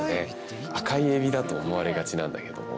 赤いエビだと思われがちなんだけども。